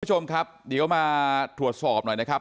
คุณผู้ชมครับเดี๋ยวมาตรวจสอบหน่อยนะครับ